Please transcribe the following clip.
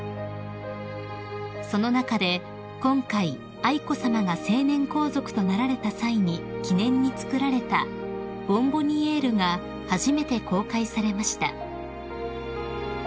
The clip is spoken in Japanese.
［その中で今回愛子さまが成年皇族となられた際に記念に作られたボンボニエールが初めて公開されました］